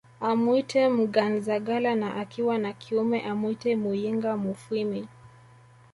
Amuite Mnganzagala na akiwa wa kiume amwite Muyinga Mufwimi